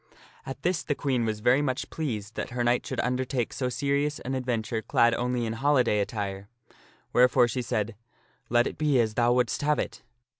At this the Queen was very much pleased, that her knight should under take so serious an adventure clad only in holiday attire ; wherefore she said, " Let it be as thou wouldst have it."